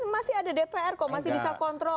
masih ada dpr kok masih bisa kontrol